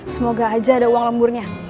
semoga aja ada uang lemburnya